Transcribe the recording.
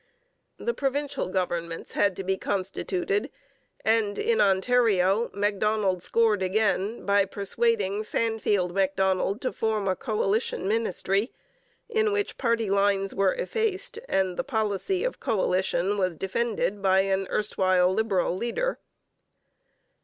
The provincial governments had to be constituted; and in Ontario Macdonald scored again by persuading Sandfield Macdonald to form a coalition ministry in which party lines were effaced and the policy of coalition was defended by an erstwhile Liberal leader.